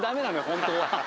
本当は。